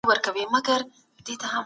که فزيکي زور نه وي نظم به ګډوډ نسي؟